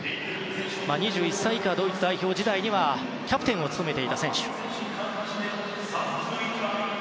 ２１歳以下ドイツ代表時代にはキャプテンを務めていた選手。